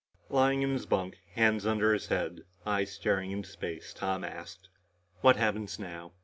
Lying in his bunk, hands under his head, eyes staring into space, Tom asked, "What happens now?"